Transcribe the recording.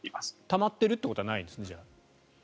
たまってるってことはないんですね？